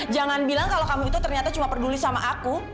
jangan bilang kalau kamu itu ternyata cuma peduli sama aku